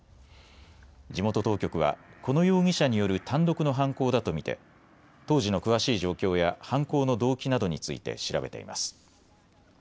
地元当局はこの容疑者による単独の犯行だと見て当時の詳しい状況や犯行の動機などについて調べています。